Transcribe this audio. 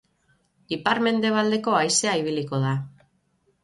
Ipar-mendebaldeko haizea ibiliko da.